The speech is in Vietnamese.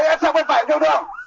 xe tập lại sang phải nhường đường